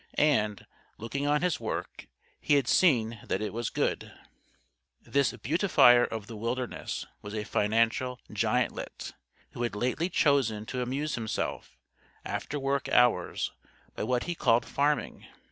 And, looking on his work, he had seen that it was good. This Beautifier of the Wilderness was a financial giantlet, who had lately chosen to amuse himself, after work hours, by what he called "farming."